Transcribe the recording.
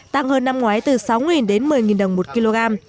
tăng hơn năm ngoái từ sáu đến một mươi đồng một kg